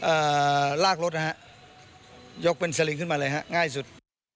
อ่าลากรถนะฮะยกเป็นสลิงขึ้นมาเลยฮะง่ายสุด